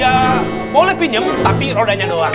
ya boleh pinjam tapi rodanya doang